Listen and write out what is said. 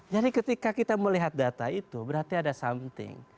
jadi ketika kita melihat data itu berarti ada something